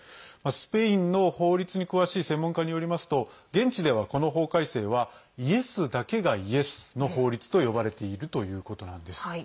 スペインの法律に詳しい専門家によりますと現地では、この法改正はイエスだけがイエスの法律と呼ばれているということなんです。